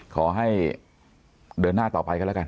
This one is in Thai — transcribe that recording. ขอให้เดินหน้าต่อไปกันแล้วกัน